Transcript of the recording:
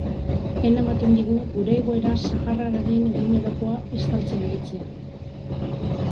Pena ematen digu gure egoera sahararren egunerokoa estaltzen aritzea.